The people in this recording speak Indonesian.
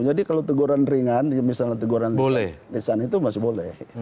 jadi kalau teguran ringan misalnya teguran lisan itu masih boleh